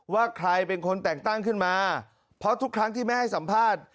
ว่าใครเป็นคนแต่งตั้งขึ้นมาเพราะทุกครั้งที่แม่ให้สัมภาษณ์